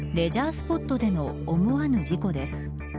スポットでの思わぬ事故です。